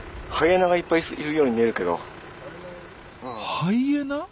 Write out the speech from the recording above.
ハイエナ？